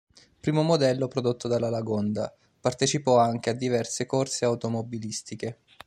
Primo modello prodotto dalla Lagonda, partecipò anche a diverse corse automobilistiche.